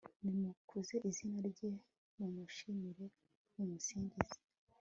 nimukuze izina rye, mumushimire mumusingiza